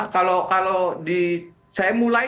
kalau saya mulai